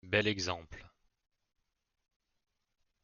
Bel exemple